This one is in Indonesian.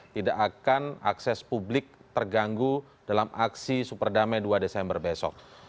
tidak akan akses publik terganggu dalam aksi superdamai dua desember besok